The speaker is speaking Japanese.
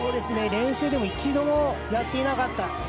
練習でも一度もやっていなかった。